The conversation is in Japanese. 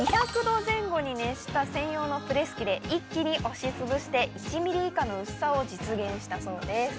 ℃前後に熱した専用のプレス機で一気に押しつぶして１ｍｍ以下の薄さを実現したそうです。